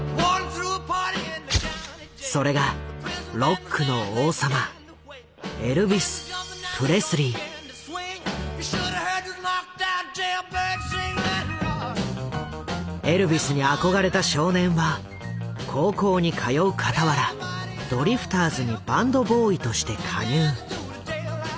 それがロックの王様エルヴィスに憧れた少年は高校に通うかたわらドリフターズにバンドボーイとして加入。